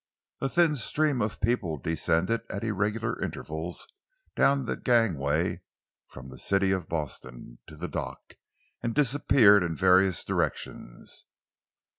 A thin stream of people descended at irregular intervals down the gangway from the City of Boston to the dock, and disappeared in various directions.